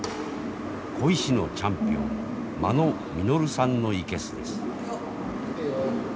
鯉師のチャンピオン間野実さんの生けすです。